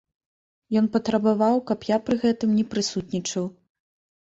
Ён патрабаваў, каб я пры гэтым не прысутнічаў.